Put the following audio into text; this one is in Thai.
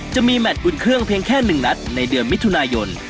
จะมีแมทอุ่นเครื่องเพียงแค่๑นัดในเดือนมิถุนายน